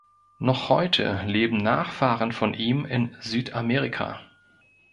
Noch heute leben Nachfahren von ihm in Südamerika.